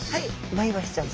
マイワシちゃん。